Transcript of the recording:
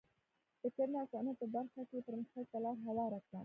د کرنې او صنعت په برخه کې یې پرمختګ ته لار هواره کړه.